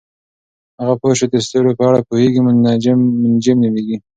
هغه پوه چې د ستورو په اړه پوهیږي منجم نومیږي.